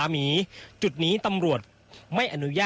อันนี้คือเต็มร้อยเป็นเต็มร้อยเปอร์เซ็นต์แล้วนะครับ